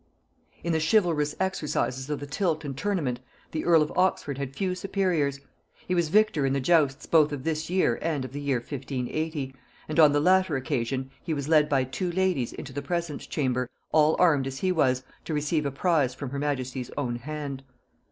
In the chivalrous exercises of the tilt and tournament the earl of Oxford had few superiors: he was victor in the justs both of this year and of the year 1580, and on the latter occasion he was led by two ladies into the presence chamber, all armed as he was, to receive a prize from her majesty's own hand.